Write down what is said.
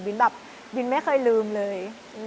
บิ๊นแบบบิ๊นไม่เคยลืมเลย